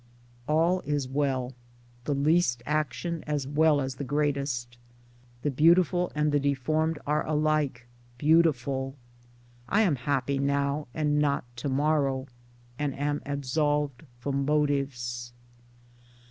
All is well. The least action as well as the greatest. The beautiful and the deformed are alike beautiful. I am happy now and not to morrow, and am absolved from motives.